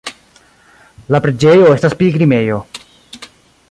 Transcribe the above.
La preĝejo estas pilgrimejo.